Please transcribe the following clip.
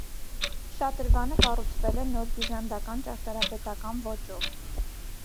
Շատրվանը կառուցվել է նորբյուզանդական ճարտարապետական ոճով։